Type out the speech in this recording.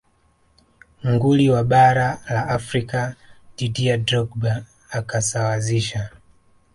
nguli wa bara la afrika didier drogba akasawazisha